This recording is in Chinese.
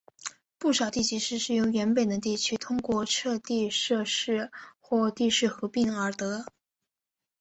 不少地级市是由原本的地区通过撤地设市或地市合并而得。